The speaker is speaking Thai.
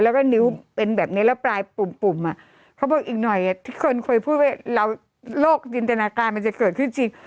แล้วก็นิ้วเป็นแบบนี้แล้วปลายปุ่มอ่ะเขาบอกอีกหน่อยที่คนเคยพูดว่าเราโรคจินตนาการมันจะเกิดขึ้นจริง